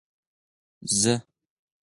زه